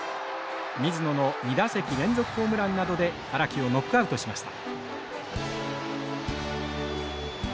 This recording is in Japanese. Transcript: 水野の２打席連続ホームランなどで荒木をノックアウトしました。